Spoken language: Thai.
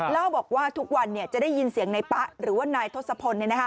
เล่าบอกว่าทุกวันจะได้ยินเสียงนายป๊ะหรือว่านายทศพล